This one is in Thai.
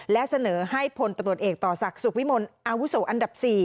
และเสนอให้พลตำรวจเอกต่อศักดิ์สุขวิมลอาวุโสอันดับ๔